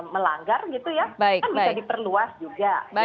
melanggar gitu ya